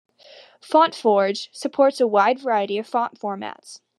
FontForge supports a wide variety of font formats.